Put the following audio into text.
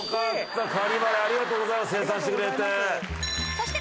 ［そして］